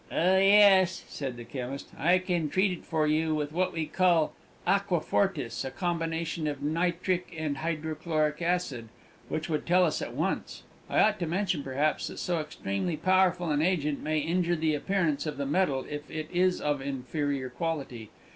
"Oh yes," said the chemist; "I can treat it for you with what we call aquafortis, a combination of nitric and hydrochloric acid, which would tell us at once. I ought to mention, perhaps, that so extremely powerful an agent may injure the appearance of the metal if it is of inferior quality.